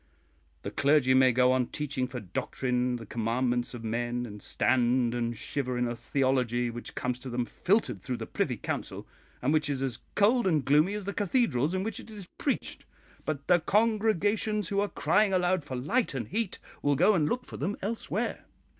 The clergy may go on teaching for doctrine the commandments of men, and stand and shiver in a theology which comes to them filtered through the Privy Council, and which is as cold and gloomy as the cathedrals in which it is preached. But the congregations who are crying aloud for light and heat will go and look for them elsewhere."